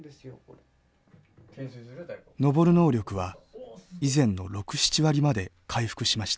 登る能力は以前の６７割まで回復しました。